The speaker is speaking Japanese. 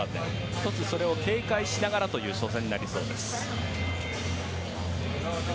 １つ、それを警戒しながらという初戦になりそうです。